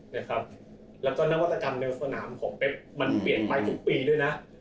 แล้วก็นวัตกรรมในสนามของเป๊กมันเปลี่ยนไปทุกปีด้วยนะ